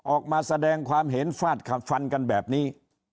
ออกมาแสดงความเห็นฟาดขับฟันกันแบบนี้